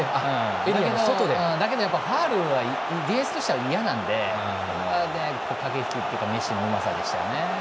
だけど、ファウルはディフェンスとしては嫌なんで駆け引きというかメッシのうまさでしたね。